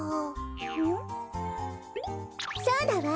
そうだわ！